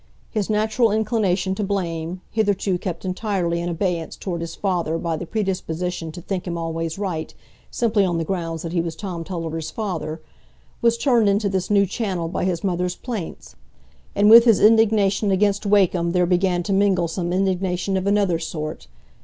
His natural inclination to blame, hitherto kept entirely in abeyance toward his father by the predisposition to think him always right, simply on the ground that he was Tom Tulliver's father, was turned into this new channel by his mother's plaints; and with his indignation against Wakem there began to mingle some indignation of another sort.